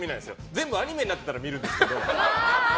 全部アニメだったら見るんですけど。